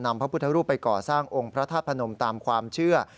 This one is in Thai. พระพุทธรูปไปก่อสร้างองค์พระธาตุพนมตามความเชื่อ